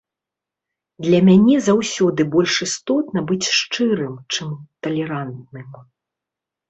Для мяне заўсёды больш істотна быць шчырым, чым талерантным.